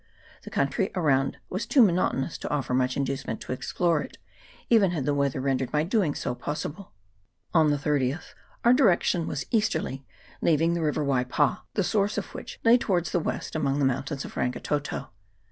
The country around was too monotonous to offer much inducement to explore it, even had the weather rendered my doing so possible. On the 30th our direction was easterly, leaving the river Waipa, the source of which lay towards 320 PAS OF THE NATIVES. [PART II. the west, among the mountains of Rangitoto.